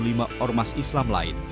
lima ormas islam lain